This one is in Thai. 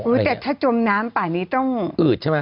แต่ถ้าจมน้ำป่านี้ต้องอืดใช่ไหม